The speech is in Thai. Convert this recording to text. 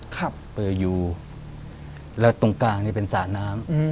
ครับผม